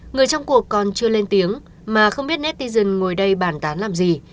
người trong cuộc còn chưa lên tiếng mà không biết netison ngồi đây bàn tán làm gì